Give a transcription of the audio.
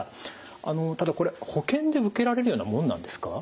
あのただこれ保険で受けられるようなものなんですか？